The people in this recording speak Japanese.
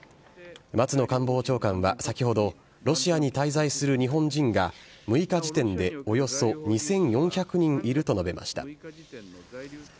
松野官房長官は先ほど、ロシアに滞在する日本人が、６日時点でおよそ２４００人いると述べました。